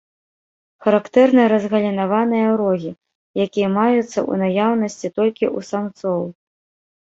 Характэрны разгалінаваныя рогі, якія маюцца ў наяўнасці толькі ў самцоў.